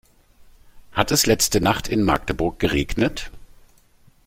Hat es letzte Nacht in Magdeburg geregnet?